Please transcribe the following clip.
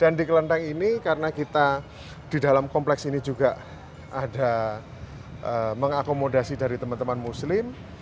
dan di kelentang ini karena kita di dalam kompleks ini juga ada mengakomodasi dari teman teman muslim